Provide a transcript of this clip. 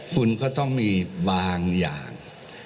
คุณก็ต้องมีบางอย่าง